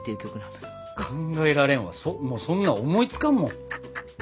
考えられんわそんなん思いつかんもん。